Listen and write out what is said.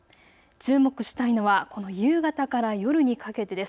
注目したいのはこの夕方から夜にかけてです。